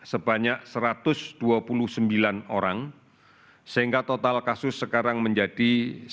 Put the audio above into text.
sebanyak satu ratus dua puluh sembilan orang sehingga total kasus sekarang menjadi satu